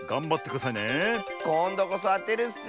こんどこそあてるッス！